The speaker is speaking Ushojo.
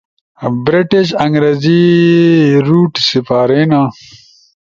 [برٹش انگریزی روٹ سپارینا]